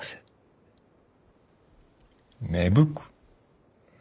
芽吹く？